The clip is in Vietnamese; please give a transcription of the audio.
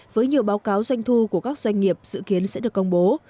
với nhiều báo cáo doanh thu của các doanh nghiệp dự kiến sẽ được công bố